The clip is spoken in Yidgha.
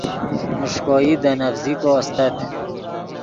میݰکوئی دے نڤزیکو استت